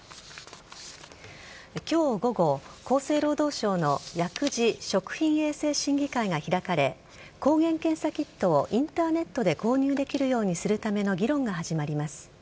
今日午後、厚生労働省の薬事・食品衛生審議会が開かれ抗原検査キットをインターネットで購入できるようにするための議論が始まります。